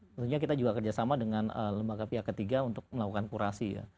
tentunya kita juga kerjasama dengan lembaga pihak ketiga untuk melakukan kurasi ya